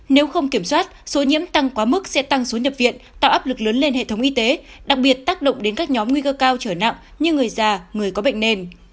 nếu không kiểm soát số nhiễm tăng quá mức sẽ tăng số nhập viện tạo áp lực lớn lên hệ thống y tế đặc biệt tác động đến các nhóm nguy cơ cao trở nặng như người già người có bệnh nền